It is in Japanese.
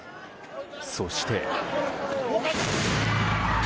そして。